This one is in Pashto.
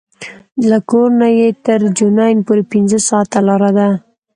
له کور نه یې تر جنین پورې پنځه ساعته لاره ده.